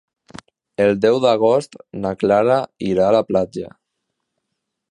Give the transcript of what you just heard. El deu d'agost na Clara irà a la platja.